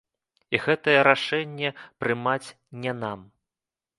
І гэтае рашэнне прымаць не нам.